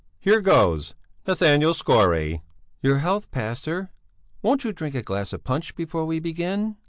Here goes!" "Nathanael Skore." "Your health, pastor! Won't you drink a glass of punch before we begin?"